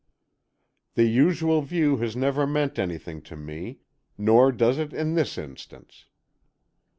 "The usual view has never meant anything to me, nor does it in this instance."